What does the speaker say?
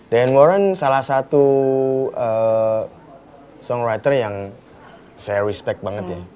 diane warren salah satu songwriter yang saya respect banget ya